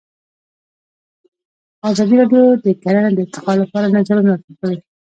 ازادي راډیو د کرهنه د ارتقا لپاره نظرونه راټول کړي.